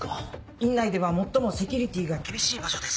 院内では最もセキュリティーが厳しい場所です。